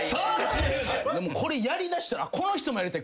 でもこれやりだしたらこの人もやりたい